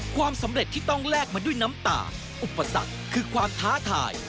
ความสำเร็จที่ต้องแลกมาด้วยน้ำตาอุปสรรคคือความท้าทาย